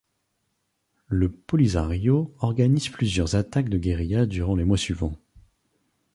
Le Polisario organise plusieurs attaques de guerilla durant les mois suivants.